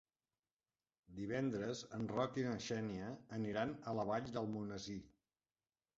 Divendres en Roc i na Xènia aniran a la Vall d'Almonesir.